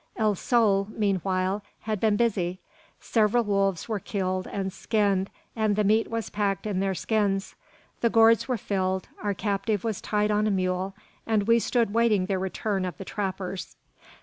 El Sol, meanwhile, had been busy. Several wolves were killed and skinned, and the meat was packed in their skins. The gourds were filled, our captive was tied on a mule, and we stood waiting the return of the trappers.